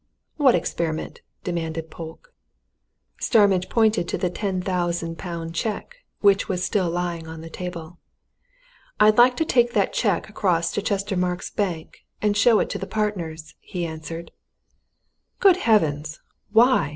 "What experiment?" demanded Polke. Starmidge pointed to the ten thousand pound cheque, which was still lying on the table. "I'd like to take that cheque across to Chestermarke's Bank, and show it to the partners," he answered. "Good heavens! why?"